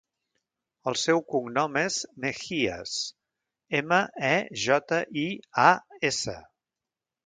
El seu cognom és Mejias: ema, e, jota, i, a, essa.